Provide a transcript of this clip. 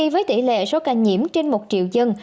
với tỷ lệ số ca nhiễm trên một triệu dân